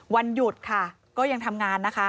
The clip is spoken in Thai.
วันหยุดค่ะก็ยังทำงานนะคะ